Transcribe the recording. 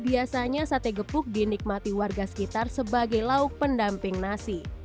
biasanya sate gepuk dinikmati warga sekitar sebagai lauk pendamping nasi